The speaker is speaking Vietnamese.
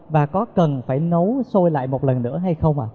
và có cần phải nấu sôi lại một lần nữa hay không ạ